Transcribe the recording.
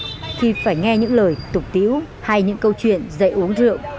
chị trang thực sự đã sốc khi phải nghe những lời tục tiễu hay những câu chuyện dạy uống rượu